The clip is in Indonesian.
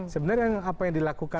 sebenarnya apa yang dilakukan